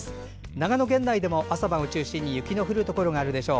長野県内でも朝晩を中心に雪の降るところがあるでしょう。